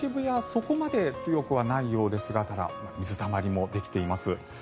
そこまで強くはないようですがただ、水たまりもできています。